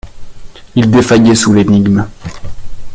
Il défaillait sous l’énigme.